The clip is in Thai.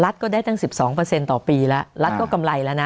ลัดก็ได้ตั้งสิบสองเปอร์เซ็นต์ต่อปีละลัดก็กำไรแล้วนะ